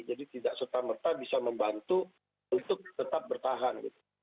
jadi tidak serta merta bisa membantu untuk tetap bertahan